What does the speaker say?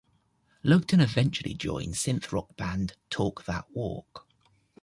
Lugton eventually joined synth rock band Talk That Walk.